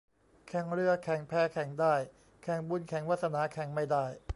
แข่งเรือแข่งแพแข่งได้ แข่งบุญแข่งวาสนาแข่งไม่ได้